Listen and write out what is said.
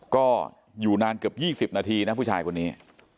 ก็อยู่นานเกือบ๒๐นาทีนะผู้ชายคนนี้